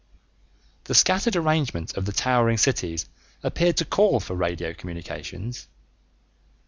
The scattered arrangement of the towering cities appeared to call for radio communications.